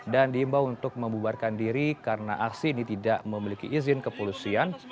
dan diimbau untuk membuarkan diri karena aksi ini tidak memiliki izin kepolusian